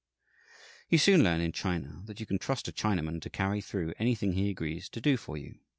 You soon learn, in China, that you can trust a Chinaman to carry through anything he agrees to do for you.